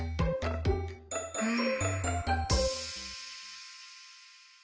うん。